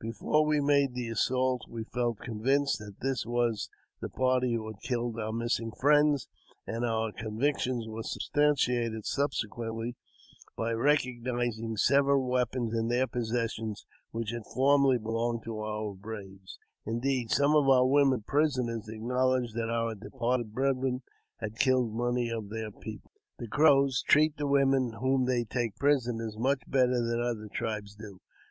Before we made the assault we felt convinced that this was JAMES P. BECKWOUBTH. 147 the party who had killed our missing friends, and our convic tions were substantiated subsequently by recognizing several weapons in their possession which had formerly belonged to our braves; indeed, some of our women prisoners acknow ledged that our departed brethren had killed many of their people. The Crows treat the women whom they take prisoners much better than other tribes do.